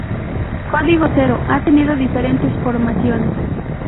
Código Zero ha tenido diferentes formaciones.